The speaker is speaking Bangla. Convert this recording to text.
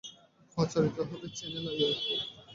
প্রচারিত হবে চ্যানেল আইয়ে।